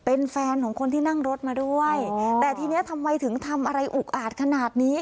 เป็นแฟนของคนที่นั่งรถมาด้วยแต่ทีนี้ทำไมถึงทำอะไรอุกอาจขนาดนี้